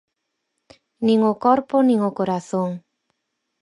Nin o corpo nin o corazón.